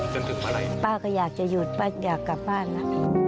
จนถึงอะไรป้าก็อยากจะหยุดป้าอยากกลับบ้านนะ